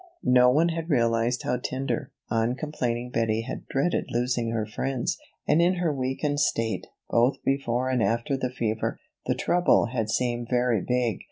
No one had realized how tender, uncomplaining Bettie had dreaded losing her friends. And in her weakened state, both before and after the fever, the trouble had seemed very big.